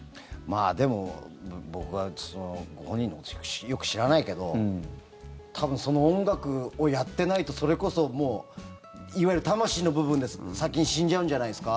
でも、僕はご本人のことよく知らないけど多分その音楽をやってないとそれこそ、いわゆる魂の部分が先に死んじゃうんじゃないですか。